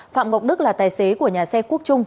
phạm ngọc đức là tài xế của nhà xe quốc trung